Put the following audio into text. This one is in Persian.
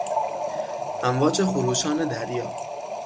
امواج خروشان دریا